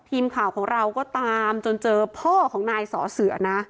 ทีมข่าวของเราก็ตามจนเจอพ่อของนายสอเสือนะ